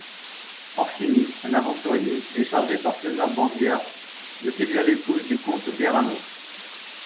Orsini, un aventurier, est chargé par Cesar Borgia de séduire l'épouse du comte Verano.